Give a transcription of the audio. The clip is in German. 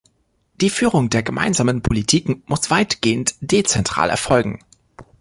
Die Führung der gemeinsamen Politiken muss weitgehend dezentral erfolgen.